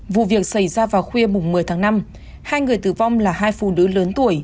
vụ việc xảy ra vào khuya một mươi tháng năm hai người tử vong là hai phụ nữ lớn tuổi